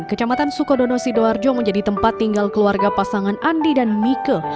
kecamatan sukodono sidoarjo menjadi tempat tinggal keluarga pasangan andi dan mike